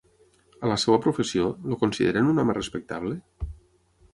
A la seva professió, el consideren un home respectable?